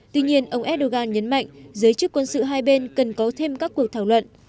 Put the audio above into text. tuy nhiên ông erdogan nhấn mạnh giới chức quân sự hai bên cần có thêm các cuộc thảo luận